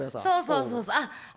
そうそうそうそう。